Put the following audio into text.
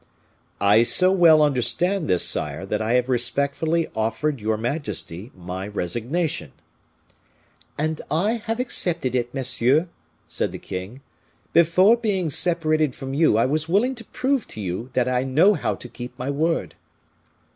"I so well understand this, sire, that I have respectfully offered your majesty my resignation." "And I have accepted it, monsieur," said the king. "Before being separated from you I was willing to prove to you that I know how to keep my word."